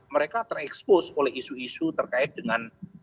mereka terekspos oleh isu isu terkait dengan